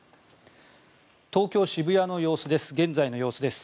東京・渋谷の現在の様子です。